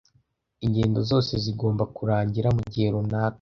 ingendo zose zigomba kurangira mugihe runaka